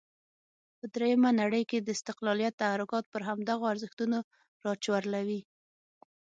په درېمه نړۍ کې د استقلالیت تحرکات پر همدغو ارزښتونو راچورلوي.